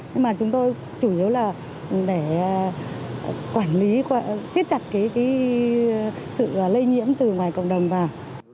nhưng mà chúng tôi chủ yếu là để quản lý siết chặt cái sự lây nhiễm từ ngoài cộng đồng vào